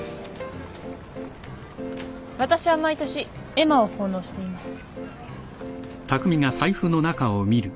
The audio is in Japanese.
私は毎年絵馬を奉納しています。